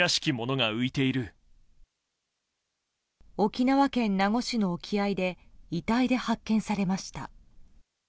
沖縄県名護市の沖合で遺体で発見されました。